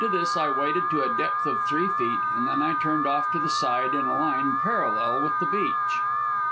Into this I waded to a depth of three feet, and then I turned off to the side on a line parallel with the beach.